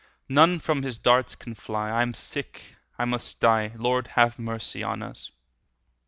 None from his darts can fly; 5 I am sick, I must die— Lord, have mercy on us!